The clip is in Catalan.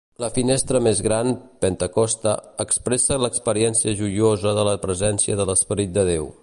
La finestra més gran, Pentecosta, expressa l'experiència joiosa de la presència de l'Esperit de Déu.